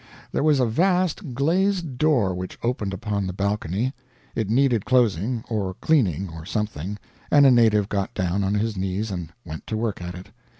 There was a vast glazed door which opened upon the balcony. It needed closing, or cleaning, or something, and a native got down on his knees and went to work at it.